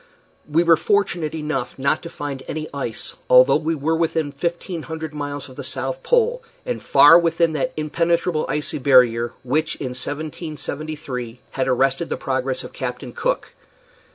We were fortunate enough not to find any ice, although we were within fifteen hundred miles of the South Pole, and far within that impenetrable icy barrier which, in 1773, had arrested the progress of Captain Cook.